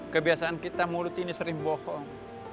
kebiasaan kita mulut ini sering bohong